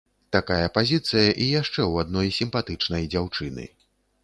Такая пазіцыя і яшчэ ў адной сімпатычнай дзяўчыны!